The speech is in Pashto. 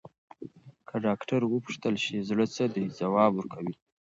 که ډاکټر وپوښتل شي، زړه څه دی، ځواب ورکوي.